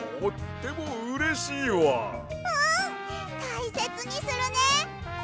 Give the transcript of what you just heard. うんたいせつにするね！